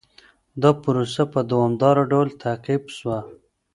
دا پروسه په دوامداره ډول تعقيب سوه.